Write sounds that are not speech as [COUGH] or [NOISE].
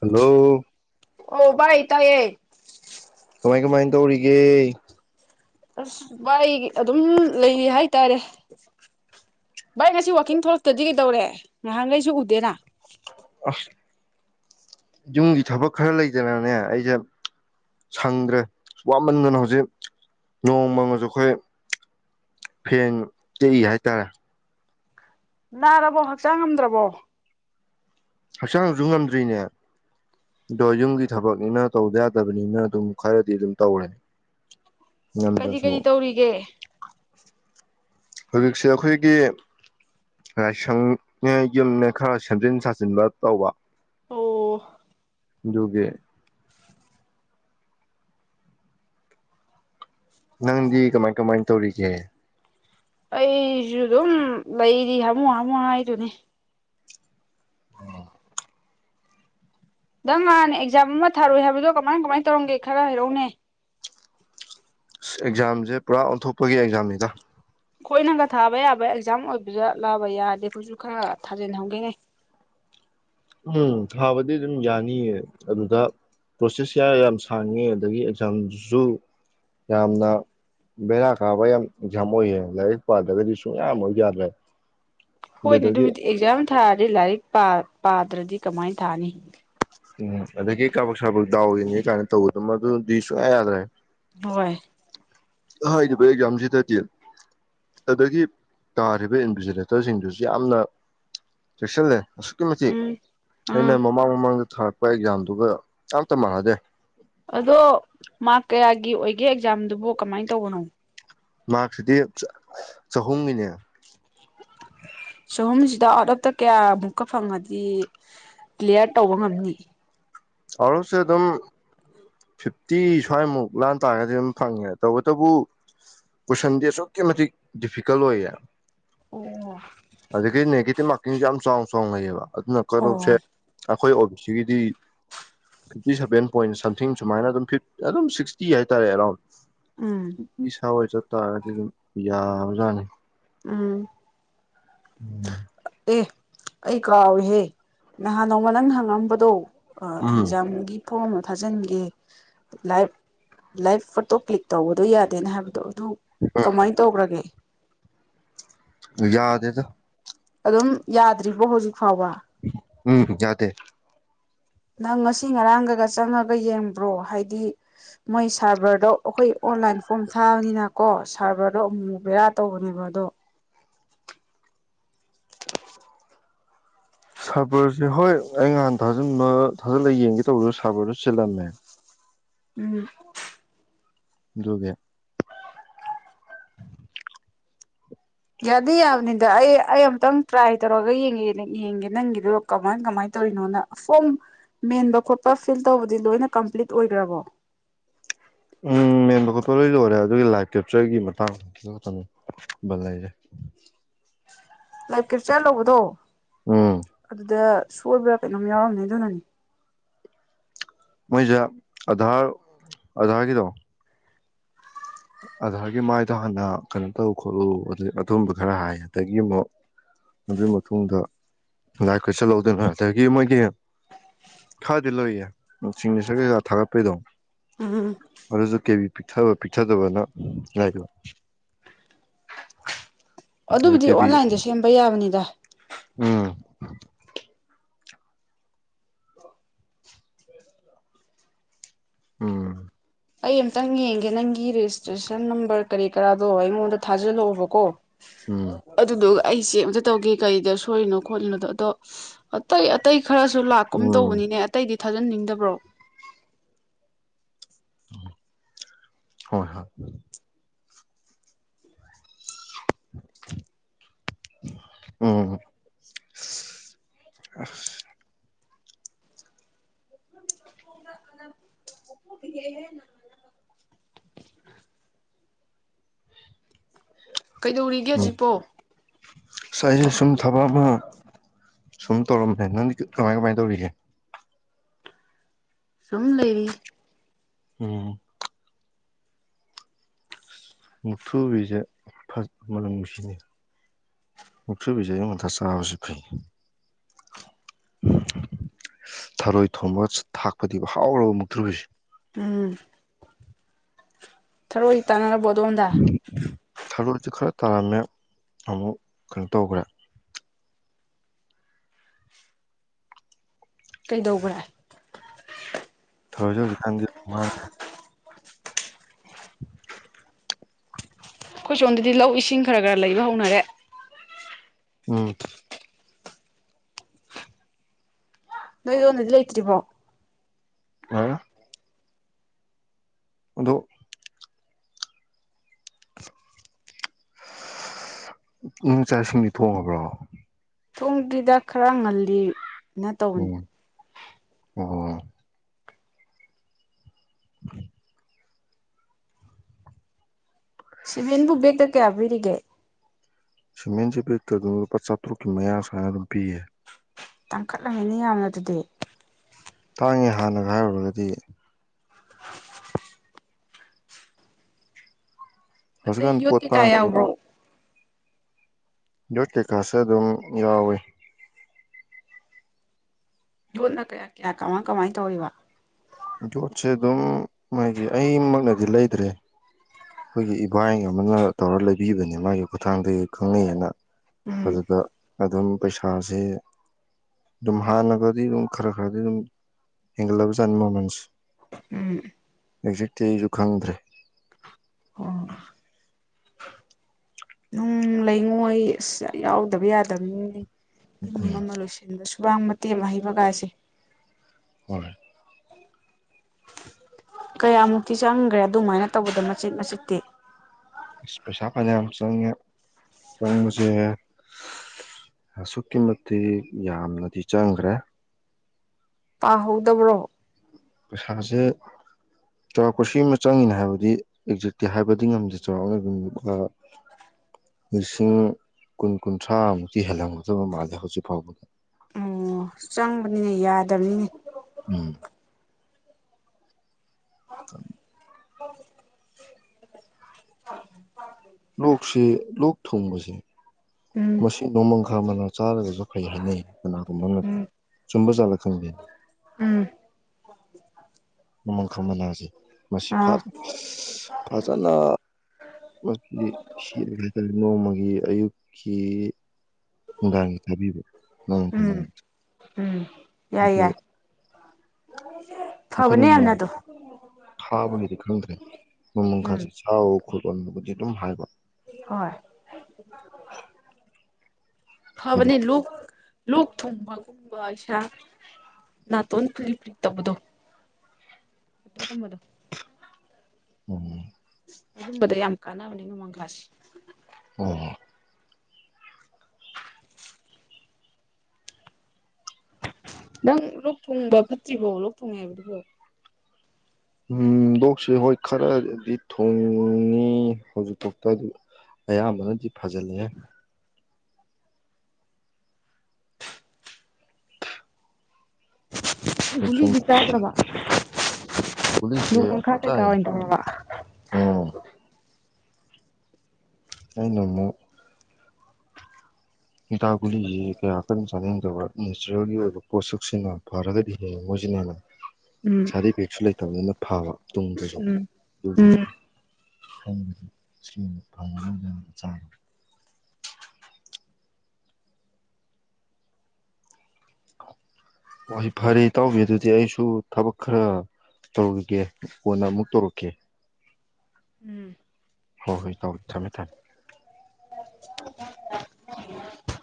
hello ꯇꯥꯢꯌꯦ ꯀꯃꯥꯏ ꯀꯃꯥꯏ ꯇꯧꯔꯤꯒꯦ ꯑꯁ ꯚꯥꯏ ꯑꯗꯨꯝ ꯂꯩꯔꯤ ꯍꯥꯏꯇꯥꯔꯦ ꯚꯥꯏ ꯉꯁꯤ ꯋꯥꯛꯀꯤꯡ ꯊꯣꯛꯂꯛꯇ꯭ꯔꯗꯤ ꯀꯩꯗꯧꯔꯦ ꯉꯍꯥꯟꯈꯩꯁꯨ ꯎꯗꯦꯅ ꯌꯨꯝꯒꯤ ꯊꯕꯛ ꯈꯔ ꯂꯩꯗꯅꯅꯦ ꯑꯩꯁꯦ ꯁꯪꯗ꯭ꯔꯦ ꯋꯥꯃꯟꯗꯅ ꯍꯧꯖꯤꯛ ꯅꯣꯡꯃꯃꯁꯨ ꯑꯩꯈꯣꯏ ꯐꯦꯟ ꯇꯦꯛꯏ ꯍꯥꯏꯇꯥꯔꯦ ꯅꯥꯔꯕꯣ ꯍꯛꯆꯥꯡ ꯉꯝꯗ꯭ꯔꯕꯣ ꯍꯛꯆꯥꯡꯁꯨ ꯉꯝꯗ꯭ꯔꯤꯅꯦ ꯑꯗꯣ ꯌꯨꯝꯒꯤ ꯊꯕꯛꯅꯤꯅ ꯇꯧꯗ ꯌꯥꯗꯕꯅꯤꯅ ꯑꯗꯨꯝ ꯈꯔꯗꯤ ꯑꯗꯨꯝ ꯇꯧꯔꯦ ꯀꯔꯤ ꯀꯔꯤ ꯉꯝꯗ꯭ꯔꯁꯨ ꯇꯧꯔꯤꯒꯦ ꯍꯧꯖꯤꯛꯁꯦ ꯑꯩꯈꯣꯏꯒꯤ ꯂꯥꯏꯁꯪꯅꯦ ꯌꯨꯝꯅꯦ ꯈꯔ ꯁꯦꯝꯖꯤꯟ ꯁꯥꯖꯤꯟꯕ ꯇꯧꯕ ꯑꯣ ꯗꯨꯒꯤ ꯅꯪꯗꯤ ꯀꯃꯥꯏ ꯀꯃꯥꯏ ꯇꯧꯔꯤꯒꯦ ꯑꯩꯁꯨ ꯑꯗꯨꯝ ꯂꯩꯔꯤ ꯍꯥꯃꯨ ꯍꯥꯃꯨ ꯍꯥꯏꯗꯨꯅꯤ ꯑꯣ ꯗꯥ ꯃꯥꯥꯟꯅꯦ ꯑꯦꯛꯖꯥꯝ ꯑꯃ ꯊꯥꯔꯨꯏ ꯍꯥꯏꯕꯗꯣ ꯀꯃꯥꯏ ꯀꯃꯥꯏ ꯇꯧꯔꯝꯒꯦ ꯈꯔ ꯍꯥꯏꯔꯛꯎꯅꯦ ꯑꯁ ꯑꯦꯛꯖꯥꯝꯁꯦ ꯄꯨꯔꯥ ꯑꯣꯟꯊꯣꯛꯄꯒꯤ ꯑꯦꯛꯖꯥꯝꯅꯤꯗ ꯑꯩꯈꯣꯏꯅꯒ ꯊꯥꯕ ꯌꯥꯕ ꯑꯦꯛꯖꯥꯝ ꯑꯣꯏꯕꯖꯥꯠꯂꯥꯕ ꯌꯥꯔꯗꯤ ꯑꯩꯈꯣꯏꯁꯨ ꯈꯔ ꯊꯥꯖꯟꯍꯧꯒꯦꯅꯦ ꯎꯝ ꯊꯥꯕꯗꯤ ꯑꯗꯨꯝ ꯌꯥꯅꯤꯌꯦ ꯑꯗꯨꯗ ꯄ꯭ꯔꯣꯁꯦꯁꯦ ꯌꯥꯝ ꯁꯥꯡꯉꯦ ꯑꯗꯒꯤ ꯑꯦꯛꯖꯥꯝꯗꯨꯁꯨ ꯌꯥꯝꯅ ꯕꯦꯔꯥ ꯀꯥꯕ ꯌꯥꯝ ꯑꯦꯛꯖꯥꯝ ꯑꯣꯏꯌꯦ ꯂꯥꯏꯔꯤꯛ ꯄꯥꯗ꯭ꯔꯒꯗꯤ ꯁꯨꯛꯌꯥꯝꯃ ꯌꯥꯗ꯭ꯔꯦ ꯍꯣꯏꯅꯦ ꯑꯗꯨꯗꯒꯤ ꯑꯗꯨꯕꯨꯗꯤ ꯑꯦꯛꯖꯥꯝ ꯊꯥꯔꯗꯤ ꯂꯥꯏꯔꯤꯛ ꯄꯥ ꯄꯥꯗ꯭ꯔꯗꯤ ꯀꯃꯥꯏꯅ ꯊꯥꯅꯤ ꯎꯝ ꯑꯗꯒꯤ ꯀꯥꯕꯛ ꯁꯥꯕꯛ ꯗꯥꯎ ꯌꯦꯡꯒꯦ ꯀꯥꯏꯅ ꯇꯧꯕꯗꯨꯃ ꯗꯨꯗꯤꯁꯨꯛꯌꯥ ꯌꯥꯗ꯭ꯔꯦ ꯍꯣꯏ ꯍꯥꯏꯔꯤꯕ ꯑꯦꯛꯖꯥꯝꯁꯤꯗꯗꯤ ꯑꯗꯒꯤ ꯇꯥꯔꯤꯕ ꯏꯟꯚꯤꯖꯤꯂꯦꯇꯔꯁꯤꯡꯗꯨꯁꯨ ꯌꯥꯝꯅ ꯆꯦꯛꯁꯤꯜꯂꯦ ꯑꯁꯨꯛꯀꯤ ꯃꯇꯤꯛ ꯎꯝ ꯑꯩꯅ ꯑꯥ ꯃꯃꯥꯡ ꯃꯃꯥꯡꯗ ꯊꯥꯔꯛꯄ ꯑꯦꯛꯖꯥꯝꯗꯨꯒ ꯑꯝꯇ ꯃꯥꯟꯅꯗꯦ ꯑꯗꯣ ꯃꯥꯔꯛ ꯀꯌꯥꯒꯤ ꯑꯣꯏꯒꯦ ꯑꯦꯛꯖꯥꯝꯗꯨꯕꯨ ꯀꯃꯥꯏꯅ ꯇꯧꯕꯅꯣ ꯃꯥꯔꯛꯁꯤꯗꯤ ꯆꯍꯨꯝꯒꯤꯅꯦ ꯆꯍꯨꯝꯁꯤꯗ ꯑꯥꯎꯠ ꯑꯣꯐꯇ ꯀꯌꯥꯃꯨꯛꯀ ꯐꯪꯉꯗꯤ ꯀ꯭ꯂꯤꯌꯥꯔ ꯇꯧꯕ ꯉꯝꯅꯤ ꯑꯥꯎꯠ ꯑꯣꯐꯁꯦ ꯑꯗꯨꯝ ꯐꯤꯐꯇꯤ ꯁ꯭ꯋꯥꯏꯃꯨꯛ ꯂꯥꯟ ꯇꯥꯔꯒꯗꯤ ꯑꯗꯨꯝ ꯐꯪꯉꯦ ꯇꯧꯕꯇꯕꯨ ꯀꯣꯏꯁꯟꯗꯤ ꯑꯁꯨꯛꯀꯤ ꯃꯇꯤꯛ ꯗꯤꯐꯤꯀꯜꯠ ꯑꯣꯏꯌꯦ ꯑꯗꯨꯗ ꯀꯩ ꯅꯒꯤꯇꯤꯕ ꯃꯥ ꯁꯨ ꯌꯥꯝ ꯆꯥꯎ ꯆꯥꯎ ꯅ ꯂꯩꯌꯦꯕ ꯑꯗꯨꯅ ꯀꯠ ꯑꯣꯐꯁꯦ ꯑꯣ ꯑꯩꯈꯣꯏ ꯑꯣꯕꯤ ꯁꯤꯒꯤꯗꯤ ꯐꯤꯞꯇꯤ ꯁꯚꯦꯟ ꯄꯣꯏꯟ ꯁꯝꯊꯤꯡ ꯁꯨꯃꯥꯏꯅ ꯑꯗꯨꯝ ꯐꯤ ꯑꯗꯨꯝ ꯁꯤꯛꯁꯇꯤ ꯍꯥꯏꯇꯥꯔꯦ ꯑꯦꯔꯥꯎꯟ ꯎꯝ ꯃꯤꯁꯋꯥ ꯑꯣꯏ ꯆꯠ ꯇ ꯑꯗꯨ ꯌꯥꯕꯖꯅꯤ ꯎꯝ ꯎꯝ ꯑꯦ ꯑꯩ ꯀꯥꯎꯏꯍꯦ ꯅꯍꯥꯟ ꯅꯣꯡꯃ ꯅꯪ ꯍꯪꯉꯝꯕꯗꯣ ꯑ ꯎꯝ ꯑꯦꯛꯖꯥꯝꯒꯤ ꯐꯣꯔꯝ ꯐꯥꯖꯤꯟꯒꯦ ꯂꯥꯏꯚ ꯂꯥꯏꯚ ꯐꯣꯇꯣ ꯀ꯭ꯂꯤꯛ ꯇꯧꯕꯗꯣ ꯌꯥꯗꯦꯅ ꯍꯥꯏꯕꯗꯣ ꯑꯗꯨ ꯀꯃꯥꯏꯅ ꯇꯧꯈ꯭ꯔꯒꯦ ꯌꯥꯗ ꯑꯦꯗ ꯑꯗꯨꯝ ꯌꯥꯗ꯭ꯔꯤꯕꯣ ꯍꯧꯖꯤꯛ ꯐꯥꯎꯕ ꯎꯝ ꯌꯥꯗꯦ ꯅꯪ ꯉꯁꯤ ꯉꯔꯥꯡꯒꯒ ꯆꯪꯉꯒ ꯌꯦꯡꯕ꯭ꯔꯣ ꯍꯥꯏꯗꯤ ꯃꯣꯏ ꯁꯥꯚꯔꯗꯣ ꯑꯩꯈꯣꯏ ꯑꯣꯟꯂꯥꯏꯟ ꯐꯣꯔꯝ ꯊꯥꯕꯅꯤꯅꯀꯣ ꯁꯥꯔꯚꯔꯗꯣ ꯑꯃꯨꯛꯨꯛ ꯕꯦꯔꯥ ꯇꯧꯕꯅꯦꯕ ꯑꯗꯣ ꯁꯥꯔꯕꯔꯁꯦ ꯍꯣꯏ ꯑꯩ ꯅꯍꯥꯟ ꯊꯥꯖꯤꯟꯕ ꯊꯥꯖꯤꯜꯂꯒ ꯌꯦꯡꯒꯦ ꯇꯧꯕꯗ ꯁꯥꯔꯕꯔꯗꯨ ꯆꯤꯜꯂꯝꯃꯦ ꯎꯝ ꯑꯗꯨꯒꯒꯦ ꯌꯥꯗꯦ ꯌꯥꯕꯅꯤꯗ ꯑꯩ ꯑꯩ ꯑꯃꯨꯇꯪ ꯇ꯭ꯔꯥꯏ ꯇꯧꯔꯒ ꯌꯦꯡꯉꯦ ꯌꯦꯡꯒꯦ ꯅꯪꯒꯤꯗꯣ ꯀꯃꯥꯏ ꯀꯃꯥꯏꯅ ꯇꯧꯔꯤꯅꯣꯅ ꯐꯣꯝ ꯃꯦꯟꯕ ꯈꯣꯠꯄ ꯐꯤꯜ ꯇꯧꯕꯗꯤ ꯂꯣꯏꯅ ꯀꯝꯄ꯭ꯂꯤꯠ ꯑꯣꯏꯈ꯭ꯔꯕꯣ ꯎꯝ ꯃꯦꯟꯕ ꯈꯣꯠꯄ ꯂꯣꯏ ꯂꯣꯏꯔꯦ ꯑꯗꯨꯒꯤ ꯂꯥꯏꯚ ꯀꯦꯞꯆꯔꯒꯤ ꯃꯇꯥꯡꯛꯇ ꯂꯩꯔꯦ ꯂꯛꯀꯔ ꯆꯂꯧꯕꯗꯣ ꯎꯝ ꯑꯗꯨꯗ ꯁꯣꯏꯕ꯭ꯔꯥ ꯀꯩꯅꯣꯝ ꯌꯥꯎꯔꯝꯅꯦ ꯑꯗꯨꯅꯅꯤ ꯃꯣꯏꯁꯦ ꯑꯙꯥꯔ ꯑꯙꯥꯔꯒꯤꯗꯣ ꯑꯒꯤ ꯃꯥꯏꯗꯣ ꯍꯥꯟꯅ ꯀꯩꯅꯣ ꯇꯧ ꯈꯣꯠꯂꯎ ꯑꯗꯨꯒꯕ ꯈꯔ ꯍꯥꯏꯌꯦ ꯑꯗꯒꯤ ꯑꯃꯨꯛ ꯑꯗꯨꯒꯤ ꯃꯇꯨꯡꯗ ꯂ ꯂꯥꯏ ꯀꯣꯏꯁꯜꯍꯧꯗꯣꯏꯅ ꯑꯗꯒꯤ ꯃꯣꯏꯒꯤ ꯈꯔꯗꯤ ꯂꯩꯌꯦ ꯆꯤꯡꯂꯤꯁꯔ ꯀꯩꯀꯥ ꯊꯥꯒꯠꯄꯩꯗꯣ ꯑꯝ ꯑꯗꯨꯁꯨ ꯀꯦꯕꯤ ꯄꯤꯛꯊꯕ ꯄꯤꯛ ꯆꯗꯧꯕꯅ ꯂꯥꯛꯕ ꯑꯗꯨꯕꯨꯗꯤ ꯑꯣꯟꯂꯥꯏꯟꯗ ꯁꯦꯝꯕ ꯌꯥꯕꯅꯤꯗ ꯎꯝ ꯎꯝ ꯑꯩ ꯑꯃꯝꯇꯪ ꯌꯦꯡꯒꯦ ꯅꯪꯒꯤ ꯔꯦꯖꯤꯁꯇ꯭ꯔꯦꯁꯟ ꯅꯝꯕꯔ ꯀꯔꯤ ꯀꯔꯥꯗꯣ ꯑꯩꯉꯣꯟꯗ ꯊꯥꯖꯤꯜꯂꯛꯑꯣꯕꯀꯣ ꯎꯝ ꯑꯗꯨꯗꯨ ꯑꯩꯁꯦ ꯑ ꯑꯃꯇ ꯇꯧꯒꯦ ꯀꯩꯗ ꯁꯣꯏꯔꯤꯅꯣ ꯈꯣꯠꯂꯤꯅꯣꯗꯣ ꯑꯗꯣ ꯑꯇꯩ ꯑꯇꯩ ꯈꯔꯁꯨ ꯂꯥꯛꯀꯨꯝ ꯎꯝ ꯇꯧꯕꯅꯤꯅꯦ ꯑꯇꯩꯗꯤ ꯊꯥꯖꯟꯅꯤꯡꯗꯕ꯭ꯔꯣ ꯍꯣꯏ ꯍꯣꯏ ꯑꯣ [UNINTELLIGIBLE] ꯀꯩꯗꯧꯔꯤꯒꯦ ꯍꯧꯖꯤꯛꯄꯣ ꯉꯁꯥꯏ ꯑꯩꯁꯦ ꯁꯨꯝ ꯊꯕꯛ ꯑꯃ ꯁꯨꯝ ꯇꯧꯔꯝꯃꯦ ꯅꯪꯗꯤ ꯀꯃꯥꯏ ꯀꯃꯥꯏꯅ ꯇꯧꯔꯤꯒꯦ ꯁꯨꯝ ꯂꯩꯕꯤ ꯎꯝ ꯃꯨꯛꯊ꯭ꯔꯨꯕꯤꯁꯦ ꯑꯃ ꯅꯨꯡꯁꯤꯅꯤ ꯃꯨꯛꯊꯨꯕꯤꯁꯦ ꯑꯌꯨꯛ ꯉꯟꯇꯥ ꯆꯥꯕꯕꯁꯤ ꯐꯩ ꯊꯔꯣꯏ ꯊꯣꯡꯕ ꯊꯥꯛꯄꯗꯤ ꯍꯥꯎꯔꯕ ꯃꯨꯛꯇ꯭ꯔꯨꯕꯤꯁꯦ ꯎꯝ ꯊꯔꯣꯏ ꯏ ꯇꯅꯅꯕꯣꯗ ꯍꯗ ꯊꯔꯣꯏꯁꯨ ꯈꯔ ꯇꯥꯔꯝꯃꯦ ꯑꯃꯨꯛ ꯀꯩꯅꯣ ꯇꯧꯈ꯭ꯔꯦ ꯀꯩꯗꯧꯕ꯭ꯔꯥ ꯋꯥ [UNINTELLIGIBLE] ꯑꯩꯈꯣꯏ ꯁꯣꯝꯗꯗꯤ ꯂꯧ ꯏꯁꯤꯡ ꯈꯔ ꯈꯔ ꯂꯩꯕ ꯍꯧꯅꯔꯦ ꯎꯝ ꯅꯣꯏꯣꯅ ꯏꯂ ꯂꯩꯇ꯭ꯔꯤꯃꯣ ꯑ ꯑꯗꯣ ꯏꯃꯨꯡ ꯆꯥꯏꯁꯤꯡꯅꯤ ꯊꯣꯡꯉꯕ꯭ꯔꯣ ꯁꯣꯒꯤꯗ ꯈꯔ ꯉꯜꯂꯤ ꯎꯝ ꯑꯣ [UNINTELLIGIBLE] ꯁꯤꯕꯟꯕꯨꯕ ꯀꯦꯕꯒ ꯁꯤꯃꯦꯟꯁꯦ ꯄꯤꯛꯇ ꯑꯗꯨꯝ ꯂꯨꯄꯥ ꯆꯥꯇꯔꯨꯛꯀꯤ ꯃꯌꯥ ꯁꯅ ꯑꯗꯨꯝ ꯄꯤꯌꯦ ꯇꯥꯡꯈꯠꯂꯝꯃꯤꯅꯦ ꯌꯥꯝꯅ ꯑꯗꯨꯗꯤ ꯇꯥꯡꯉꯦ ꯍꯥꯟꯅꯒ ꯍꯥꯏꯔꯨꯔꯒꯗꯤ ꯃꯦ ꯍꯧꯖꯤꯛꯀꯥꯟ ꯄꯣꯠ ꯌꯣꯇꯤ ꯀꯥꯏ ꯇꯥꯡꯗꯕ ꯑꯃ꯭ꯔꯣ ꯌꯣꯠ ꯀꯩꯀꯁꯨꯦ ꯑꯗꯨꯝ ꯌꯥꯎꯋꯤ ꯌꯣꯟꯅ ꯀꯌꯥ ꯀꯌꯥ ꯀꯃꯥꯏ ꯀꯃꯥꯏꯅ ꯇꯧꯋꯕ ꯌꯣꯠꯁꯦ ꯑꯗꯨꯝ ꯃꯥꯒꯤ ꯑꯩꯃꯛꯅꯗꯤ ꯂꯩꯇ꯭ꯔꯦ ꯑꯩꯈꯣꯏꯒꯤ ꯏꯕꯥꯏ ꯑꯃꯅ ꯇꯧꯔꯒ ꯂꯩꯕꯤꯕꯅꯦ ꯃꯥꯒꯤ ꯈꯨꯊꯥꯡꯗꯒꯤ ꯈꯪꯅꯩꯑꯅ ꯎꯝ ꯑꯗꯨꯗ ꯑꯗꯨꯝ ꯄꯩꯁꯥꯁꯦ ꯑꯗꯨꯝ ꯍꯥꯟꯅꯒꯗꯤ ꯑꯗꯨꯝ ꯈꯔ ꯈꯔꯗꯤ ꯑꯗꯨꯝ ꯍꯦꯟꯒꯠꯂꯕꯖꯥꯠꯅꯤ ꯃꯃꯜꯁꯦ ꯎꯝ ꯑꯦ ꯑꯩꯁꯨ ꯈꯪꯗ꯭ꯔꯦ ꯑꯣ ꯅꯨꯡ ꯂꯩꯉꯣꯏ ꯑꯁ ꯌꯥꯎꯗꯕ ꯌꯥꯗꯕꯅꯤꯅꯤ ꯎꯝ ꯏꯃ ꯃꯂꯨꯁꯤꯗꯁꯨ ꯁꯨꯕꯥꯡ ꯃꯇꯦꯝ ꯑꯍꯩꯕꯒꯥꯁꯦ ꯍꯣꯏꯣꯏ ꯀꯌꯥꯃꯨꯛꯇꯤ ꯆꯪꯈ꯭ꯔꯦ ꯑꯗꯨꯃꯥꯏꯅ ꯇꯧꯕꯗ ꯃꯆꯤꯠ ꯃꯆꯤꯠꯇꯤ ꯄꯩꯁꯥ ꯀꯅ ꯌꯥꯝ ꯆꯪꯉꯦ ꯆꯪꯕꯁꯦ ꯑꯁꯨꯛꯀꯤ ꯃꯇꯤꯛ ꯌꯥꯝꯅꯗꯤ ꯆꯪꯈ꯭ꯔꯦ ꯄꯥꯍꯧꯗꯕ꯭ꯔꯣ ꯄꯩꯁꯥꯁꯦ ꯆꯥꯎꯔꯥꯛꯄꯁꯤ ꯑꯃ ꯆꯪꯉꯤꯅꯦ ꯍꯥꯏꯕꯗꯤ ꯑꯦꯛꯖꯦꯛꯇꯤ ꯍꯥꯏꯕꯗꯤ ꯉꯝꯗꯦ ꯆꯥꯎꯔꯥꯛꯅ ꯌ ꯂꯤꯁꯤꯡ ꯀꯨꯟ ꯀꯨꯟꯊ꯭ꯔꯥꯃꯨꯛꯇꯤ ꯍꯦꯜꯂꯝꯒꯗꯕ ꯃꯥꯜꯂꯦ ꯍꯧꯖꯤꯛ ꯐꯥꯎꯕꯗ ꯑꯣ ꯆꯪꯕꯅꯤꯅꯦ ꯌꯥꯗꯕꯅꯤꯅꯦ ꯎꯝ ꯑ ꯍ ꯍ ꯂꯣꯛꯁꯤ ꯂꯣꯛ ꯊꯨꯡꯕꯁꯦ ꯎꯝ ꯃꯁꯤ ꯅꯣꯡꯃꯪꯈꯥ ꯃꯅꯥ ꯆꯥꯔꯒꯁꯨ ꯐꯩ ꯍꯥꯏꯅꯩꯌꯦ ꯀꯅꯥꯒꯨꯝꯕꯠꯇ ꯎꯝ ꯆꯨꯝꯕ ꯆꯥꯠꯂ ꯈꯪꯗꯦꯅꯤ ꯎꯝ ꯎꯃꯪꯈꯪꯃꯜꯦ ꯃꯁꯤ ꯑꯥ ꯐꯖꯅ ꯃꯁꯤ ꯁꯤꯔꯒꯇꯥ ꯅꯣꯡꯃꯒꯤ ꯒꯤ ꯑꯌꯨꯛꯀꯤ ꯅꯨꯡꯗꯥꯥꯡ ꯊꯥꯕꯤꯔ ꯊꯝ ꯎꯝ ꯎꯝ ꯌꯥꯏ ꯑꯗꯨ ꯌꯥꯏ ꯃꯈꯈꯣꯏꯅ ꯐꯕꯅꯦ ꯌꯥꯝꯅ ꯅꯃ ꯑꯗꯣ ꯊꯥꯕ ꯍꯥꯏꯗꯤ ꯈꯪꯈ꯭ꯔꯦ ꯎꯝ ꯎꯃꯪꯈꯁꯨꯦ ꯆꯥꯎ ꯨꯝ ꯍꯥꯏ ꯀꯣ ꯍꯣꯏ ꯑꯗꯣ ꯍꯥꯕꯅꯤ ꯂ ꯂ ꯊꯣꯡꯕ ꯏꯁꯥ ꯅꯥꯇꯣꯟ ꯐꯨ꯭ꯔꯤ ꯐꯨꯔꯤ ꯇꯧꯕꯗꯣ ꯑꯗꯨꯒꯨꯝꯕꯗꯣ ꯑꯣꯝ ꯑꯗꯨꯝꯕ ꯌꯥꯝ ꯀꯥꯟꯅꯥ ꯅ ꯃꯡꯈꯁꯤ ꯑꯣ ꯅꯪ ꯂꯣꯛ ꯊꯨꯡꯕ ꯐꯠꯇ꯭ꯔꯤꯔꯤꯕꯣ ꯂꯣꯛ ꯊꯨꯡꯉꯦ ꯍꯥꯏꯕꯗꯨꯕꯣ ꯗꯣꯛꯁꯦ ꯍꯣꯏ ꯈꯔꯗꯤ ꯊꯣꯡꯉꯤ ꯍꯧꯖꯤꯛꯐꯥꯎꯗ ꯑꯗꯨ ꯑꯌꯥꯝꯕꯅꯗꯤ ꯐꯖꯜꯂꯦ ꯂꯤ ꯆꯥ ꯁ꯭ꯔꯕꯥꯥ ꯄꯨꯂꯤꯁꯦ ꯇꯥꯏ ꯑꯣꯏꯅ ꯇꯧꯔꯕ ꯑꯣ ꯑꯩꯅ ꯑꯃ ꯑꯃꯨꯛ ꯗꯥꯒꯨꯂꯤ ꯀꯌꯥꯈꯔ ꯆꯥꯅꯤꯡꯗꯕ ꯅꯦꯆꯔꯦꯜꯒꯤ ꯑꯣꯏꯕ ꯄꯣꯠꯁꯛꯁꯤꯅ ꯐꯔꯒꯗꯤ ꯍꯦꯟꯅ ꯃꯣꯏꯁꯤꯅ ꯍꯦꯟꯅ ꯎꯝ ꯁꯥꯏꯠ ꯏꯐꯦꯛꯁꯨ ꯂꯩꯇꯕꯅꯤꯅ ꯐꯕ ꯇꯨꯡꯗꯁꯨ ꯎꯝ ꯑꯗꯨꯒꯤ ꯎꯝ ꯈ ꯐ ꯆ ꯍ ꯐꯔꯦ ꯇꯥꯎꯋ ꯑꯗꯨꯗꯤ ꯑꯩꯁꯨ ꯊꯕꯛ ꯈꯔ ꯇꯧꯔꯒꯦ ꯀꯣꯟꯅ ꯑꯃꯨꯛ ꯇꯧꯔꯛꯀꯦ ꯎꯝ ꯍꯣꯏ ꯍꯣꯏ ꯊꯝꯃꯦ ꯊꯝꯃꯦ ꯊꯝꯃꯦ [UNINTELLIGIBLE]